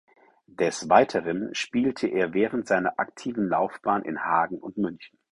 Des Weiteren spielte er während seiner aktiven Laufbahn in Hagen und München.